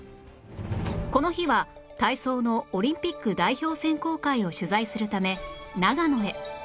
この日は体操のオリンピック代表選考会を取材するため長野へ